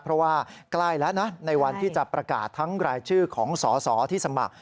เพราะว่าใกล้แล้วนะในวันที่จะประกาศทั้งรายชื่อของสอสอที่สมัคร